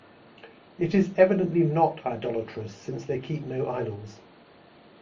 It is evidently not idolatrous, since they keep no idols.